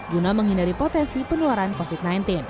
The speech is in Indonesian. guna menghindari potensi penularan covid sembilan belas